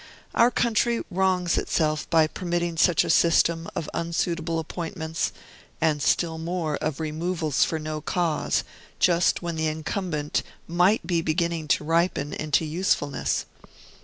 Our country wrongs itself by permitting such a system of unsuitable appointments, and, still more, of removals for no cause, just when the incumbent might be beginning to ripen into usefulness.